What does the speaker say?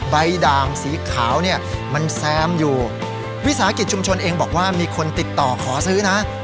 ด่างสีขาวเนี่ยมันแซมอยู่วิสาหกิจชุมชนเองบอกว่ามีคนติดต่อขอซื้อนะ